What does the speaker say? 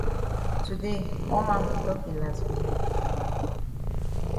Today all man go tok yi las bele